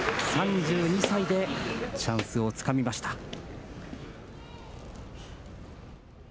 ３２歳でチャンスをつかみました。